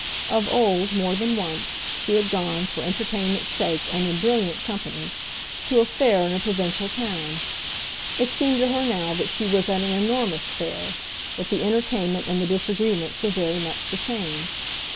Of old, more than once, she had gone, for entertainment's sake and in brilliant company, to a fair in a provincial town. It seemed to her now that she was at an enormous fair—that the entertainment and the désagréments were very much the same.